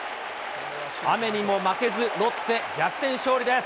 雨にも負けず、ロッテ、逆転勝利です。